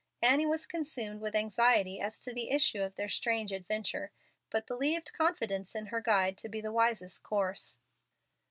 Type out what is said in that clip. Annie was consumed with anxiety as to the issue of their strange adventure, but believed confidence in her guide to be the wisest course.